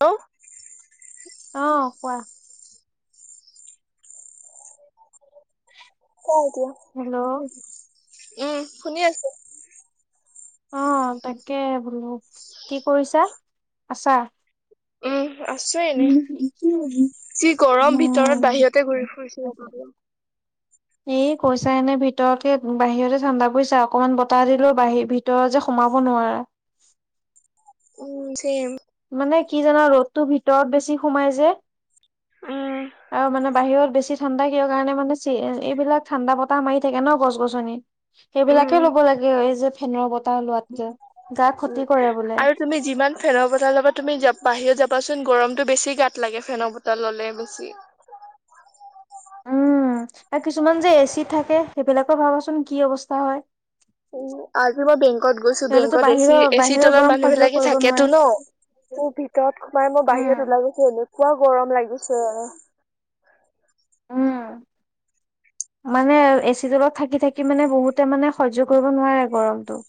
অ অ কোৱা ক এতিয়া হেল্ল' উম শুনি আছো উম তাকে বোলো কি কৰিছা আছা। উম আছে এনেই। উম যি গৰম ভিতৰত বাহিৰতে ঘূৰি ফুৰিছে। এ কৈছা এনে ভিতৰকে বাহিৰতে ঠাণ্ডা পৰিছা অকনমান বতাহ দিলোও বাহ ভি। তেওঁ যে সোমাব নোৱাৰা। উম যে। মানে কি জানা ৰ'দতটো ভিতৰত বেছি সোমাই যে। উম আৰু মানে বাহিৰত বেছি। ঠাণ্ডা কিয় কাৰোনে এইবিলাক ঠাণ্ডা বতাহ মাৰি থাকে ন গছ -গছনি। সেইবিলাকে উম ল'ব লাগে এই যে ফেনৰ বতাহ লোৱাতকে গা উম ক্ষতি কৰে বোলে। আৰু তুমি যিমান ফেনৰ বটল ল'বা তুমি বাহিৰত যাবাচোন গৰমতটো বেছি গাত লাগে ফেনৰ বটল ল'লে বেছি। উম আৰু কিছুমান যে এচিত থাকে সেইবিলাকৰ ভাবাচোন কি অৱস্থা হয়। উ আজি মই বেংকত গৈছো সিহঁতেতো বেংকত এচি বাহিৰৰ এচিৰ বাহিৰৰ তলত গৰম মানুহ সহ্য বিলাকে কৰিব থাকেতো নোৱাৰে। ন। তোৰ ভিতৰত সোমাই মই বাহিৰত উম ওলাই গৈছো এনেকুৱা গৰম লাগিছে। উম। মানে এচি তলত থাকি থাকি মানে বহুতে মানে সহ্য কৰিব নোৱাৰে গৰমটো।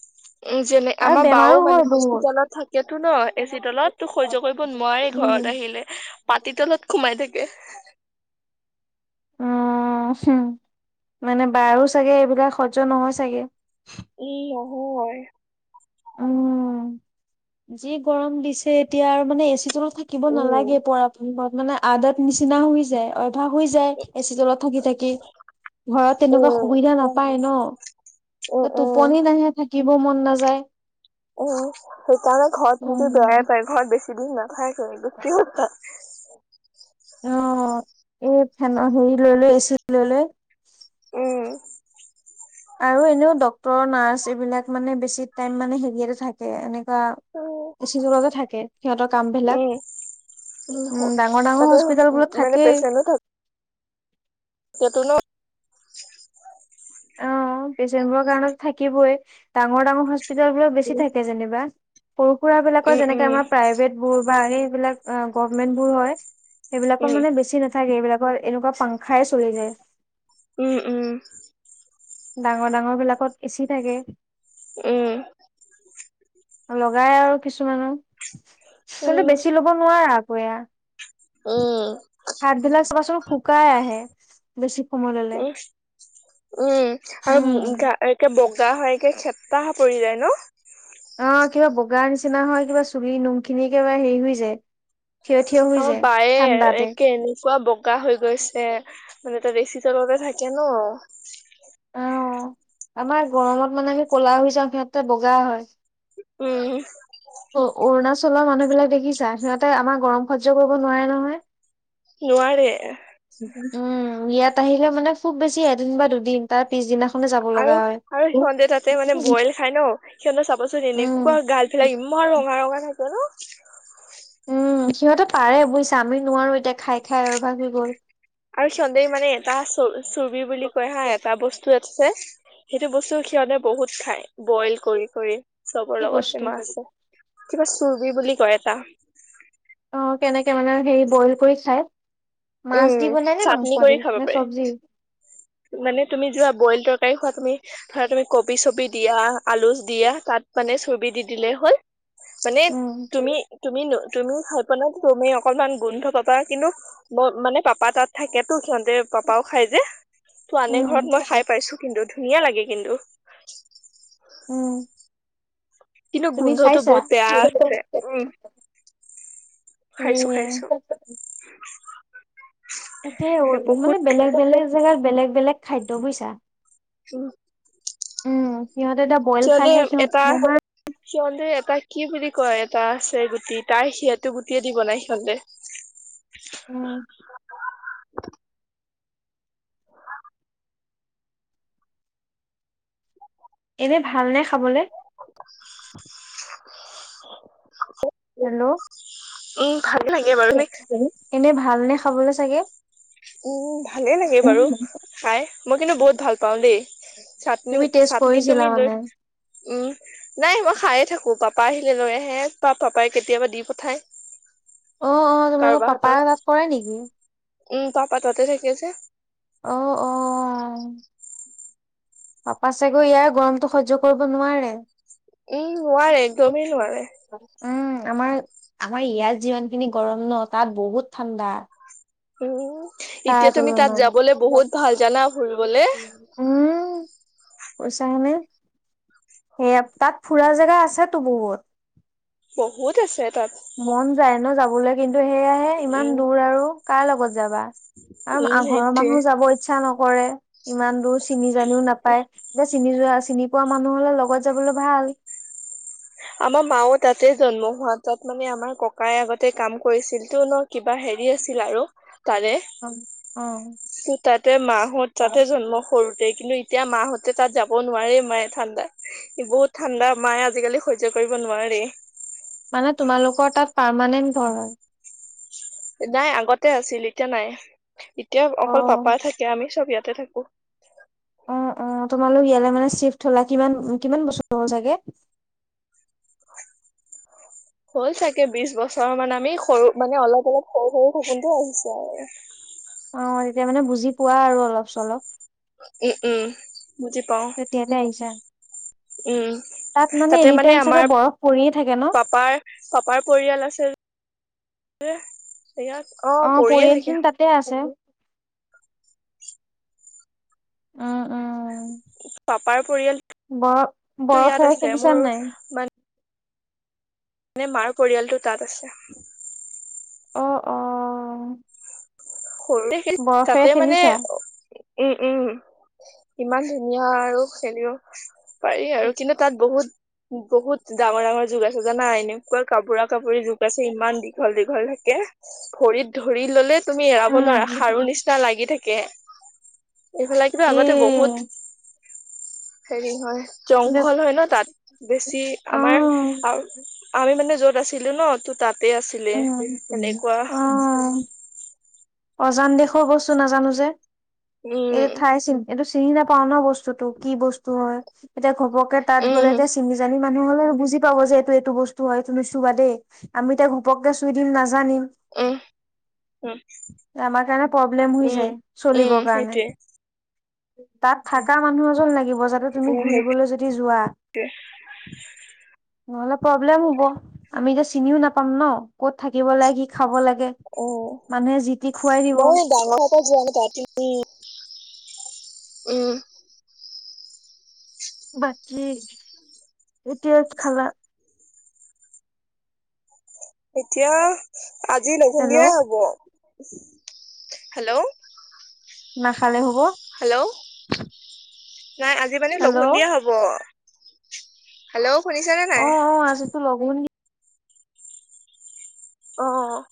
উম যেনে আৰু আমাৰ বাও বেমাৰো হয় মানে বহুত। হস্পিতালত থাকেতো ন এচি তলত তো সহ্য কৰিব নোৱাৰে। ঘৰত আহিলে পাতি তলত সোমাই থাকে। অ হুম মানে বাৰো ছাগে এইবিলাক সহ্য নহয় ছাগে। ই আহু অয়। উম যি গৰম দিছে এতিয়া আৰু মানে এচিতলত। থাকিব উম নালাগে পৰা [unintelligible] মানে আদাত নিচিনা হৈ যায়। অভাস হৈ যায় এচি তলত থাকি থাকি। ঘৰত তেনেকুৱা সুবিধা উম নাপায় ন উম টোপনি নাহে থাক। শিকিব মন নাযায়। উম সেইকাৰণে ঘৰত অ থাকি বেয়াই পায় ঘৰত বেছি দিন নাাপায় কৰে [unintelligible] গোটেইওায়। অ এই ফেনৰ হেৰি লৈ লৈ এচিত লৈ লৈ। উম। আৰু এনেও ডক্তৰ নাৰ্চ এইবিলাক মানে বেছি টাইম মানে হেৰিয়তে থাকে এনেকুৱা। উম এচিতলতে থাকে সিহঁতৰ কাম বিলাক। উম উম হ- ডাঙৰ ডাঙৰ তাতে হস্পিতাল হ- বোৰত মানে থাকেই। সেইটো নো। পেচেন্ট বোৰৰ কাৰণ থাকিবই ডাঙৰ ডাঙৰ হস্পিতল বোৰত বেছি থাকে যেনিবা। সৰু সুৰা বিলাকৰ উম যেনেকে উম আমাৰ প্ৰাইভেট বোৰ বা সেইবিলাক গভমেন্ট বোৰ হয়। সেইবিলাকত উম মানে বেছি নাথাকে এইবিলাকৰ এনেকুৱা পাংখাই চলি যায়। উম উম। উম। ডাঙৰ ডাঙৰ বিলাকত এচি থাকে। উম। লগাই আৰু কিছুমানৰ উম উম কিন্তু বেছি লগ। নোৱাৰা আকৌ এয়া। উম হাত বিলাক চাবাচোন শুকাই আহে বেছি সময় ল'লে। উম, উম আৰু উম উম একে বগা হয় একে খেপ্তাহ পৰি যায় ন। অ কিবা বগাৰ নিচিনা হয় কিবা চুলি নোম খিনি কেবা হেৰি হৈ যায়। থিয় থিয় হৈ অমা যায় বায়ে ঠাণ্ডাতে। একে এনেকুৱা ব। কাহ হৈ গৈছে মানে ত এচি তলতে থাকে ন অ', আমাৰ গৰমত মানে আমি ক'লা হৈ যাওঁ, সিহঁতে বগা হয়। উম। অ' অৰুণাচলৰ মানুহ বিলাক দেখিছা, সিহঁতে আমাৰ গৰম সহ্য কৰিব নোৱাৰে নহয়। নোৱাৰে। উম ইয়াত আহিলে মানে খুব বেছি এদিন বা দুদিন। তাৰ পিছদিনাখনে যাব আৰু লগা হয়। আৰু উম। সিহঁতে তাতে মানে বইল খাই ন, সিহঁতে চাবাচোন এনেকুৱা গাল এইবিলাক ইমান ৰঙা ৰঙা থাকে ন। উম সিহঁতে পাৰে বুজিছা আমি নোৱাৰো এতিয়া খাই খাই অভ্যাস হৈ গ'ল আৰু শিসতে মানে এটা চ চুুবি বুলি কয় হা এটা বস্তু [unintelligible] ইটো আছে সেইটো বস্তু সিহতে বহুত খায় বইল কৰি কৰি চবৰ কি বস্তু লগতে মা আছে কিবা চুৰ্বি বুলি কয় এটা অ কেনেকে মানে হেৰি বইল কৰি খায় মাছ উম দি বনায় নে মাংস চাটনি কৰি দি খাব নে পাৰে চব্জি মানে তুমি যোৱা বইল তৰকাৰী খোৱা তুমি। ধৰা তুমি কবি চবি দিয়া, আলু দিয়া, তাত মানে চুৰ্বি দি দিলেই হ'ল। মানে উম, তুমি, তুমি, তুমি খাইপেলাই তুমি অকনমান গোন্ধ পাবা, কিন্তু মই মানে পাপা তাত থাকেতো, সিহঁতে পাপাও খাই যে। তো আনে ঘৰত, উম, মই খাই পাইিছো কিন্তু, ধুনীয়া লাগে কিন্তু। উম কিন্তু তুমি গোন্ধটো চাইছা? বহুত বেয়া আছে উম খাইছো খাইছো। তাকে সেই মানে বহুত বেলেগ বেলেগ জেগাত বেলেগ বেলেগ খাদ্য বুইছা। উ উম সিহঁতে এতিয়া বইল খাই সিহঁতে খাই সিহত এটা সিহঁতে এটা কি বুলি কয় এটা আছে গুটি, তাই সিহঁতো গুটিয়ে দি বনাই সিহঁতে। উম এনে ভাল নে খাবলৈ? [inaudible] হেল্ল'। উম ভাল লাগে বাৰু। এনে ভালনে খাবলৈ চাগে? উম ভালে লাগে বাৰু খাই, মই কিন্তু বহুত ভাল পাওঁ দেই। চাটনি তুমি টেষ্ট চাটনি কৰিছিলা তুমি লৈ মানে? উম'। নাই মই খায়ে থাকো, পাপা আহিলে লৈ আহে, পাপাই কেতিয়াবা দি পঠায়। অ', অ', তোমালোকৰ কাৰোবাৰ হাতত পাপাও তাত কৰে নেকি? উম পাপা তাতে থাকে যে। অ', অ'। পাপা চাগৈ ইয়াই গৰমটো সহ্য কৰিব নোৱাৰে। উম নোৱাৰে, একদমেই নোৱাৰে। উম আমাৰ আমাৰ ইয়াত যিমান খিনি গৰম ন, তাত বহুত ঠাণ্ডা। উম'। তাৰ এতিয়া তুমি তাত তুলনাত। যাবলে বহুত ভাল জানা ফুৰিবলে উম' পইচা হেনে। সেয়া তাত ফুৰা জেগা আছেতো বহুত। বহুত আছে তাত। মন যায় ন যাবলৈ, কিন্তু সেয়াহে ইমান উম দূৰ আৰু। কাৰ লগত যাবা, উম আৰু ঘৰৰ সেইটোয়ে মানুহ যাব ইচ্ছা নকৰে ইমান দূৰ। চিনি জানিও নাপায়, এতিয়া চিনি যোৱা চিনি পোৱা মানুহ হ'লে লগত যাবলৈ ভাল। আমাৰ মাও তাতে জন্ম হোৱা, তাত মানে আমাৰ ককাই আগতে কাম কৰিছিল তো ন। কিবা হেৰি আছিল আৰু তাৰে। অ তাতে মাহত তাতে জন্ম সৰুতে কিন্তু। এতিয়া মা হতে তাত যাব নোৱাৰে মায়ে ঠাণ্ডা বহুত ঠাণ্ডা মায়ে আজিকালি হ। সহ্য কৰিব নোৱাৰে। মানে তোমালোকৰ তাত পাৰমানেন্ট ঘৰ হয়। নাই আগতে আছিল এতিয়া নাই এতিয়া অ অকল পাপা থাকে আমি চব ইয়াতে থাকো। অ', অ'তোমালোক ইয়ালৈ মানে চিফট হ'লা কিমান কিমান বছৰ হ'ল চাগে? [inaudible] হ'ল চাগে বিছ বছৰ মানে আমি সৰু মানে অলপ অলপ সৰু সৰু থাকোঁতে আহিছো আৰু। অ' এতিয়া মানে বুজি পোৱা আৰু অলপ - চলপ। উম, উম, বুজি পাওঁ। তেতিয়ালৈ আহিছা উম', তাত তাতে এনি মানে টাইম চাগে আমাৰ বৰফ পৰিয়ে থাকে ন পাপাৰ। পাপাৰ পৰিয়াল আছে যে। সেয়াত অহ'। আমাৰ পৰিয়ালখিনিও তাতে আছে। উম', উম'। পাপাৰ বৰ পৰিয়ালটো ইয়াত বৰফেৰে আছে, খেলিছা নাই মোৰ। নে মাৰ পৰিয়ালটো তাত আছে। অ', অ'। সৰুতে সেই বৰফেৰে তাতে মানে খেলিছা অ'। উম, উম, ইমান ধুনীয়া আৰু খেলিও। পাৰি আৰু কিন্তু তাত বহুত। বহুত ডাঙৰ ডাঙৰ যুক আছে জানা এনেকুৱা কাপোৰা কাপৰি যুক আছে ইমান দীঘল দীঘল থাকে। ভৰিত ধৰি ললে তুমি এৰাব। নোৱা উম খাৰু নিচিনা লাগি থাকে এইফালে কিন্তু এ আগতে বহুত। হেৰি হয় জংঘল হয় ন তাত বেছি অ আমাৰ। আমি মানে য'ত আছিলো ন তাতে আছিলে উম এনেকুৱা। অ অজান দেশ গৈছো নাজানো যে। উম। এইটো ঠাই চিন এইটো চিনি নাপাও ন বস্তুটো কি বস্তু। হয় এতিয়া ঘপকে তাত গ'লে উম এতিয়া চিনি জানি। মানুহ হ'লে বুজি পাব যে এইটো এইটো বস্তু হয় এইটো নু চুবা দেই আমি এতিয়া ঘূপককে চুই দিম নাজানিম। উম। উম আমাৰ কাৰণে প্ৰব্লেম হৈ উম যায় চলিবৰ উম কাৰণে। সেইটোৱে তাত থকা মানুহ এজন লাগিব যাতে তুমি উম সেইটোৱে ঘুৰিবলৈ যদি যোৱা। নহ'লে প্ৰব্লেম হ'ব আমি এতিয়া চিনিও নাপাম ন। ক'ত থাকিব লাগে কি খাব লাগে। উম, মানুহে যি টি খুৱাই দিব মই ডাঙৰ হতে যোৱা তাত ৰাতি। উম। বাকী কি শাক খালা? এতিয়া আজি লঘোণ দিয়াই হেল্ল' হ'ব হেল্ল'। নাখালেও হ'ব। হেল্ল' নাই আজি মানে হেল্ল' লঘোণ দিয়া হ'ব। হেল্ল, শুনিছনে নাই? লঘোণ অ'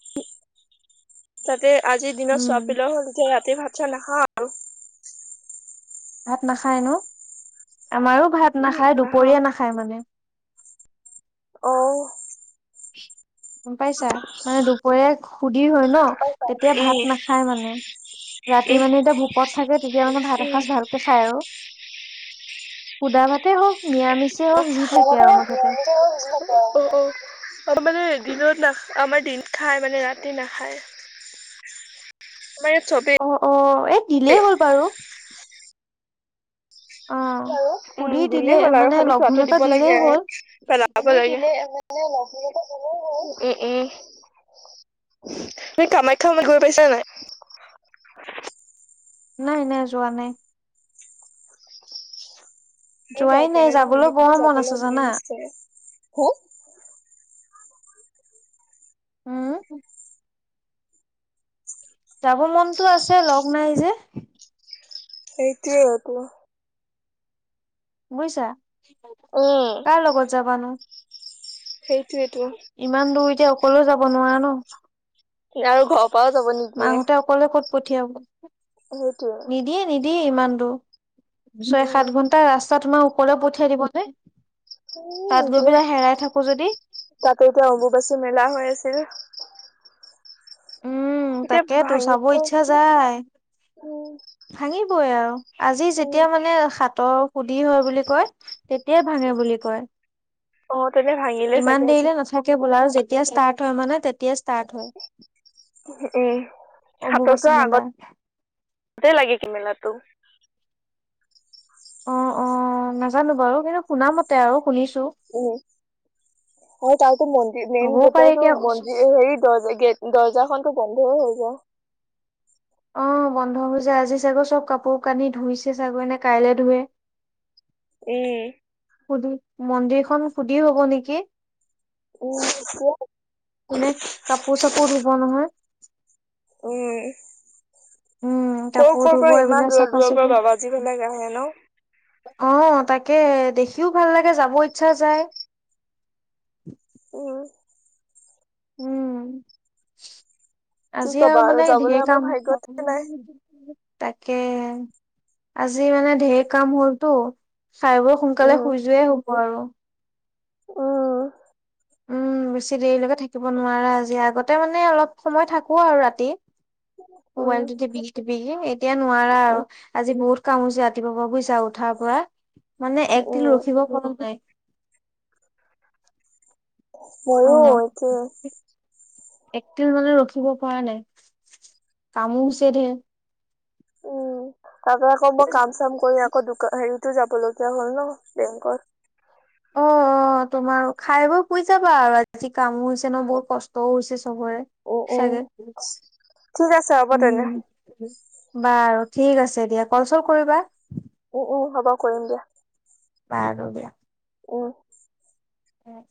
তাতে আজিৰ দিনত উম চোৱ পিলাও, হ'ল যেতি ৰাতি ভাত- চাত নাখাওঁ আৰু ভাত নাখায় ন, আমাৰো ভাত উহু নাখায় নাখাওঁ। দুপৰীয়া নাখায় মানে। অ, গম পাইছা, মানে দুপৰীয়া সুধিৰ হয় ন। তেতিয়া উম ভাত নাখায় মানে, ৰাতি উম মানে এতিয়া ভোকত থাকে তেতিয়া মানে ভাত উম এসাঁজ ভাল খাই আৰু খোদা ভাতে হ'ওক নিৰামিষেই হ'ওক, যি থাকে আৰু মুঠতে অ' অ, মানে দিনত না, আমাৰ দিন খায় মানে ৰাতি নাখায়। আমাৰ ইয়াত চবেই অ, অ, এই দিলেই হ'ল বাৰু। অ উম, সুধি দিলে দিলেই হ'ল আৰু মানে খালি লঘোণ খোৱাটো‌ এটা দিব দিলেই লাগে, আৰু হ'ল পে [inaudible] উম, উম, তুমি কামাখ্যালে, গৈ পাইছা নাই। নাই, নাই, যোৱা নাই। যোৱাই নাই যাবলৈ বৰ [inaudible] আছে যাবলৈ মন জানা আছে। হয়, উম, যাব মনতো আছেই, লগ নাই যে। সেইটোয়েই আকৌ। বুজিছা, উম কাৰ লগত যাবানো? সেইটোৱেটো ইমান দূৰ, এতিয়া অকলেও যাব নোৱাৰা ন। আৰু ঘৰ পাই যাব নিদ মা হঁতে, অকলে ক'ত পঠিয়াব। সেইটোৱে নিদিয়ে, নিদিয়ে, ইমান দূৰ। ছয়, উম। সাত ঘন্টা ৰাস্তা তোমাৰ অকলে পঠিয়াই দিবনে? উম তাত গৈ নিদিয়ে পেলাই হেৰাই থাকো যদি। তাতে এতিয়া অম্বুবাচী মেলা হৈ আছিল। উম, এতিয়া তাকেইটো ভাঙি চাব উম ইচ্ছা যায়। ভাঙিবই আৰু আজি উম যেতিয়া মানে সাতৰ সুধি হয় বুলি কয়। তেতিয়াই ভাঙে বুলি কয়, অ তেনে ভাঙিলে ইমান চাগে আজি দেৰিলে নাথা থাকে বোলা আৰু যেতিয়া ষ্টাৰ্ট হয় মানে, তেতিয়াই ষ্টাৰ্ট হয়। উম, সাথৰ অম্বুবাচী চোৱা মেলা আগত তেই, লাগে কেমেলাটো। অ, অ, নাজানো বাৰু, কিন্তু শুনা মতে আৰু শুনিছো। উম, হয় তাৰতো মন্দিৰ মেইন হ'বও পাৰে গেটতো এতিয়া মন্দিৰ হেৰি, দ, গেট দৰ্জা খনতো, বন্ধয়ে হৈ যায়। অ, বন্ধ হৈ যায়। আজি চাগৈ চব কাপোৰ কানি ধুইছে চাগৈ এনে কাইলে ধুই। উম, সুধি মন্দিৰখন, সুধি হ'ব নেকি? উম, [inaudible] মানে, কাপোৰ-চাপোৰ ধুব নহয়। উম, উম কৰ, কাপোৰ কৰ, ধুব পৰা ইমান এইবিলাক চাফা দূৰ-দূৰ পৰা চিকুণ বাবাজি বিলাক আহে ন। অ তাকে দেখিও ভাল লাগে যাব ইচ্ছা যায় উম উম কি আজি আও কবা আৰু মানে যাবলৈ ধেৰ আমাৰ কাম [inaudible] ভাগ্যতে নাই তাকে আজি মানে ধেৰ কাম হ'লটো খাই বই সোনকালে উম শুই যোৱায়ে হব আৰু উম উম বেছি দেৰিলৈকে থাকিব নোৱাৰা আজি আগতে মানে অলপ সময় থাকো আৰু ৰাতি মোবাইলটো উম টিপিকি টিপিকি এতিয়া নোৱাৰা আৰু আজি বহুত কাম হৈছে ৰাতিপুৱা পৰা বুজিছা উঠাৰ পৰা মানে এক তিলো উম ৰখিব পৰা নাই মইয়ো একেই একতিল মানে ৰখিব পৰা নাই কামো হৈছে ধেৰ তাৰ পৰা আকৌ মই কাম চাম কৰি আকৌ দোকা হেৰিতো যাব লগীয়া হল ন বেংকত অ অ তোমাৰ খাই বই শুই যাবা আৰু আজি কামো বেছি ন বহুত কষ্টও হৈছে চবৰে উম উম চাগে ঠিক আছে হ'ব তেনে উম বাৰু ঠিক আছে দিয়া কলচল কৰিবা উম উম হ'ব কৰিম দিয়া বাৰু দিয়া উম উম